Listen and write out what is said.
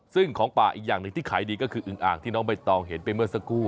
ซึ่งของป่าอีกอย่างหนึ่งที่ขายดีก็คืออึงอ่างที่น้องใบตองเห็นไปเมื่อสักครู่